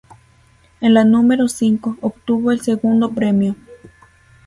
En la número V obtuvo el segundo premio.